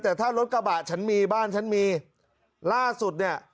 แต่ถ้ารถกระบะฉันมีบ้านฉันมีล่าสุดเนี่ย